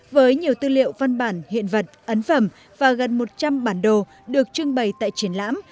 với nhiều tư liệu văn bản hiện vật ấn phẩm và gần một trăm linh bản đồ được trưng bày tại triển lãm